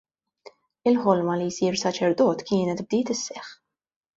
Il-ħolma li jsir saċerdot kienet bdiet isseħħ.